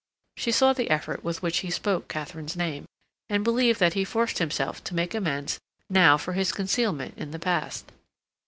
She saw the effort with which he spoke Katharine's name, and believed that he forced himself to make amends now for his concealment in the past.